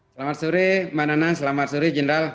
selamat sore manana selamat sore general